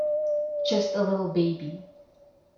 Just a little baby.